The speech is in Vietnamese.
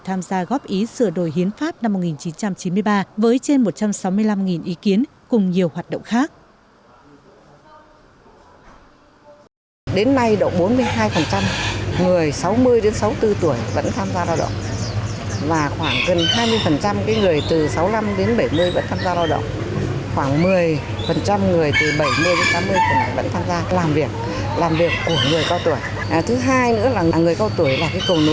tham gia góp ý sửa đổi hiến pháp năm một nghìn chín trăm chín mươi ba với trên một trăm sáu mươi năm ý kiến